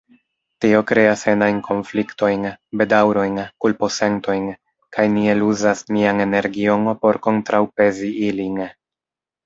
Tio kreas enajn konfliktojn, bedaŭrojn, kulposentojn… kaj ni eluzas nian energion por kontraŭpezi ilin.